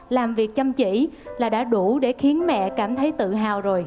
làm việc chăm chỉ là đã đủ để khiến mẹ cảm thấy tự hào rồi